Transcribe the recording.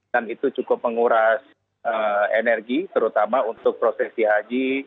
dan itu cukup menguras energi terutama untuk prosesi haji